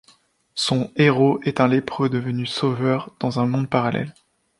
Son héros est un lépreux devenu sauveur dans un monde parallèle.